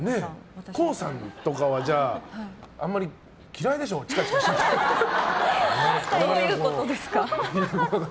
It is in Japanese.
ＫＯＯさんとかはじゃあ嫌いでしょどういうことですか。